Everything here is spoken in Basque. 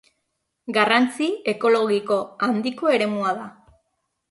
Garrantzi ekologiko handiko eremua da.